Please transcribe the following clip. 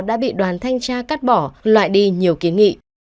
đã bị đoàn thanh tra cắt bỏ loại đi nhiều kiến nghị